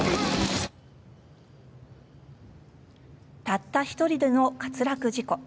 たった１人での滑落事故。